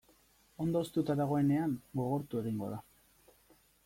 Ondo hoztuta dagoenean gogortu egingo da.